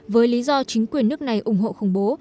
với lý do chính quyền nước này ủng hộ khủng bố